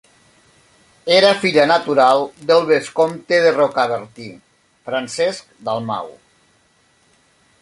Era filla natural del vescomte de Rocabertí, Francesc Dalmau.